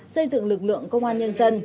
xây dựng lực lượng công an nhân dân